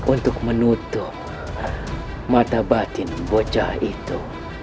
untuk menutup mata batin bocah itu